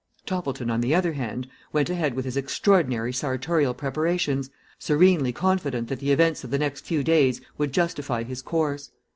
Toppleton, on the other hand, went ahead with his extraordinary sartorial preparations, serenely confident that the events of the next few days would justify his course.